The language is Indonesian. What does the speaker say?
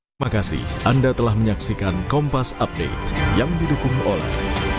terima kasih anda telah menyaksikan kompas update yang didukung oleh